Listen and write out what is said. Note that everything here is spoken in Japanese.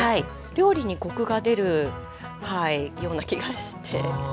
料理にコクが出るような気がして。